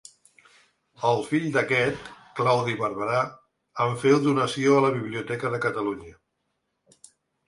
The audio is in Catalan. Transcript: El fill d'aquest, Claudi Barberà, en féu donació a la Biblioteca de Catalunya.